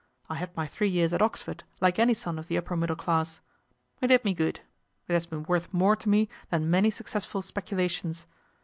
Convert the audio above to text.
I had my three years at Oxford, like any son of the upper middle class! It did me good. It has been worth more to me than many successful speculations.